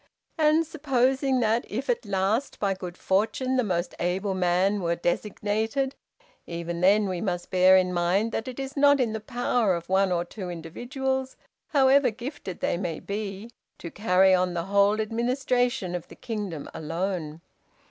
And supposing that, if at last, by good fortune, the most able man were designated, even then we must bear in mind that it is not in the power of one or two individuals, however gifted they may be, to carry on the whole administration of the kingdom alone.